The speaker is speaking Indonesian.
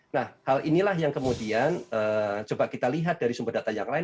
nah hal inilah yang kemudian coba kita lihat dari sumber data yang lain